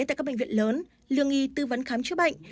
tại các bệnh viện lớn lương y tư vấn khám chữa bệnh